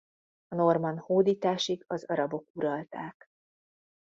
A normann hódításig az arabok uralták.